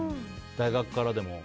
大学からでもね。